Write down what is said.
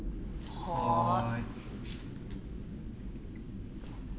はい。